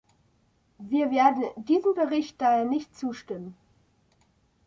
Wir werden diesem Bericht daher nicht zustimmen.